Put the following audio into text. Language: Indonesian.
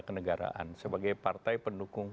kenegaraan sebagai partai pendukung